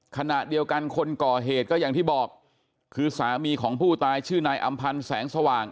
ขณะเดียวกันคนก่อเหตุก็อย่างที่บอกคือสามีของผู้ตายชื่อนายอำพันธ์แสงสว่าง